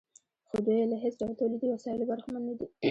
خو دوی له هېڅ ډول تولیدي وسایلو برخمن نه دي